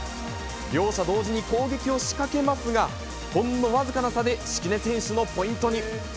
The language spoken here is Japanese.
両者同時に攻撃を仕掛けますが、ほんの僅かな差で敷根選手のポイントに。